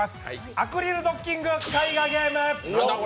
「アクリルドッキング絵画ゲーム」。